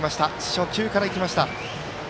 初球からいきました。